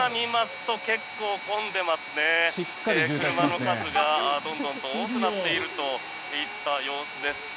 車の数がどんどん多くなっているといった様子です。